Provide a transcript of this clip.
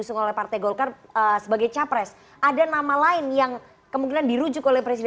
seperti apa bang doli